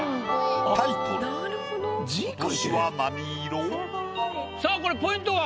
タイトルこれポイントは？